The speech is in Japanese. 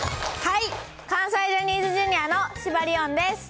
関西ジャニーズＪｒ．の芝理音です。